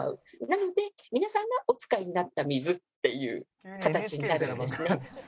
なので皆さんがお使いになった水っていう形になるんですね。